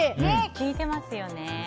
効いてますよね。